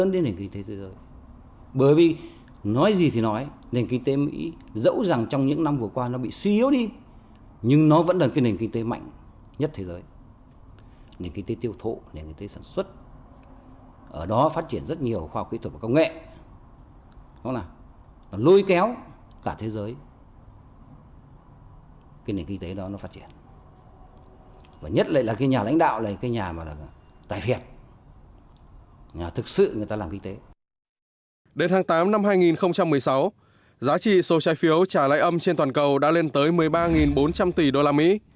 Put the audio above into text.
đến tháng tám năm hai nghìn một mươi sáu giá trị số trái phiếu trả lãi âm trên toàn cầu đã lên tới một mươi ba bốn trăm linh tỷ usd